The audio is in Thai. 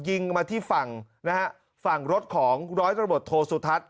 ยิงมาที่ฝั่งนะฮะฝั่งรถของร้อยตำรวจโทสุทัศน์